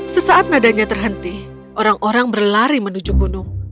sesaat nadanya terhenti orang orang berlari menuju gunung